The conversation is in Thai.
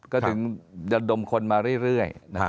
ก็ถึงดมคนมาเรื่อย